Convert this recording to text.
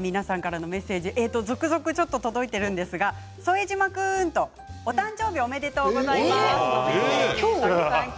皆さんからのメッセージ続々届いているんですが副島君お誕生日おめでとうございます。